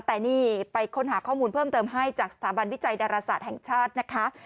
แต่นี่ไปค้นหาข้อมูลเพิ่มเติมให้จากสถาบันวิจัยดาราศาสตร์แห่งชาตินะคะ